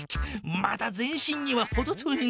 まだ全身にはほど遠いな。